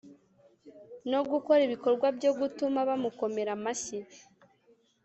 no gukora ibikorwa byo gutuma bamukomera amashyi